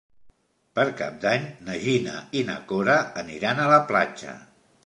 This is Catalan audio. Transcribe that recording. Per Cap d'Any na Gina i na Cora aniran a la platja.